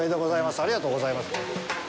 ありがとうございます。